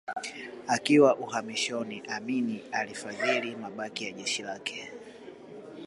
Akiwa uhamishoni Amin alifadhili mabaki ya jeshi lake